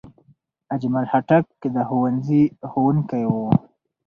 اجمل خټک د ښوونځي ښوونکی و.